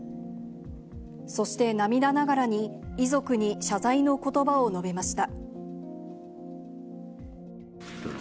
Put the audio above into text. そして涙ながらに、遺族に謝罪のことばを述べました。